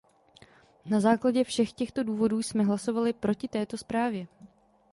Na základě všech těchto důvodů jsme hlasovali proti této zprávě.